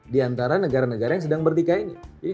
di antara negara negara yang sedang berdikai dengan negara lainnya